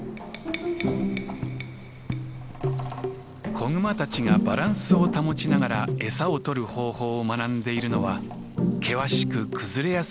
子グマたちがバランスを保ちながら餌を取る方法を学んでいるのは険しく崩れやすい斜面です。